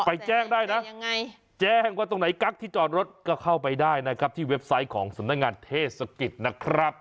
ไปแจ้งได้นะยังไงแจ้งว่าตรงไหนกั๊กที่จอดรถก็เข้าไปได้นะครับที่เว็บไซต์ของสำนักงานเทศกิจนะครับ